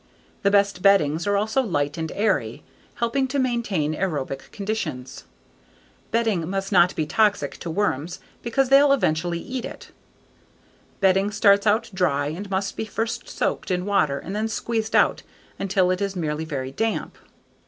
The best beddings are also light and airy, helping to maintain aerobic conditions. Bedding must not be toxic to worms because they'll eventually eat it. Bedding starts out dry and must be first soaked in water and then squeezed out until it is merely very damp.